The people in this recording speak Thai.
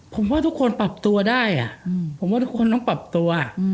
ผมว่าทุกคนปรับตัวได้ผมว่าทุกคนต้องปรับตัว